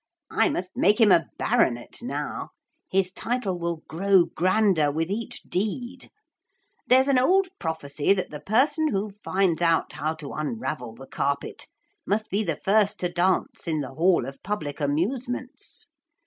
'I must make him a baronet now. His title will grow grander with each deed. There's an old prophecy that the person who finds out how to unravel the carpet must be the first to dance in the Hall of Public Amusements.